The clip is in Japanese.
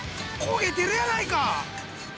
焦げてるやないか！